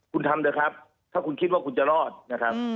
คุณทำเถอะครับถ้าคุณคิดว่าคุณจะรอดนะครับ